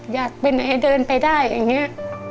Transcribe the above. อยากไปไหนเดินไปได้อย่างนี้